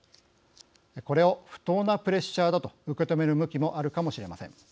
これを不当なプレッシャーだと受け止める向きもあるかもしれません。